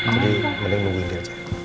jadi mending nungguin dia aja